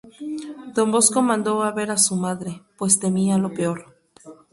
Don Bosco mandó a ver a su madre, pues temía lo peor.